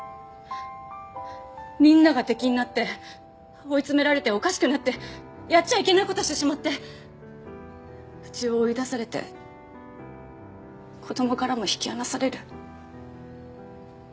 みんなが敵になって追い詰められておかしくなってやっちゃいけない事してしまってうちを追い出されて子供からも引き離される。